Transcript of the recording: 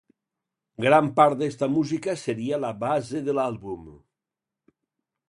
Gran part d'esta música seria la base de l'àlbum.